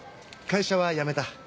会社は辞めた。